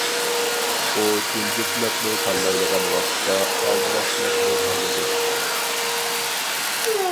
ئۇ جىمجىتلىقنى تاللايدىغان ۋاقىتتا، ئالدىراشلىقنى تاللىدى.